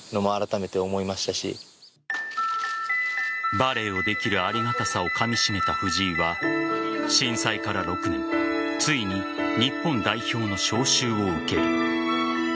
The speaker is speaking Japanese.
バレーをできるありがたさをかみしめた藤井は震災から６年ついに日本代表の招集を受ける。